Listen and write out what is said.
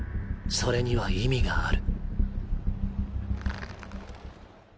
それには意味がある。